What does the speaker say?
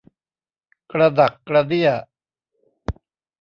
กระดักกระเดี้ย